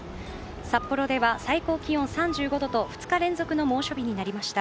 札幌では最高気温３５度と２日連続の猛暑日になりました。